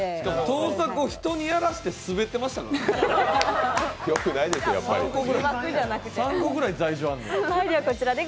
盗作を人にやらせてスベってましたからね。